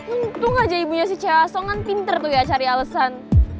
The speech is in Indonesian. untung aja ibunya si cea song kan pinter tuh ya cari alesan